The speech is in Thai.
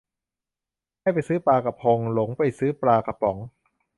ให้ไปซื้อปลากะพง หลงไปซื้อปลากระป๋อง